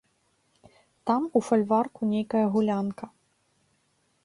Там у фальварку нейкая гулянка.